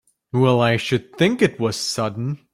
Well I should think it was sudden!